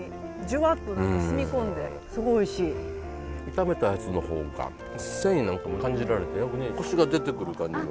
炒めたやつの方が繊維なんかも感じられて逆にコシが出てくる感じが。